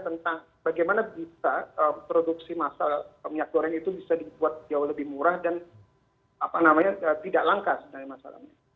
tentang bagaimana bisa produksi minyak goreng itu bisa dibuat jauh lebih murah dan tidak langka sebenarnya masalahnya